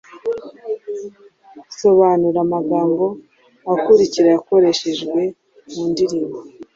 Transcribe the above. Sobanura amagambo akurikira yakoreshejwe mu ndirimbo: